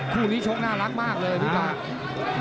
คู่นี้ชกน่ารักมากเลยพี่ปาก